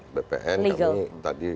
jalur bpn yang tadi menyampaikan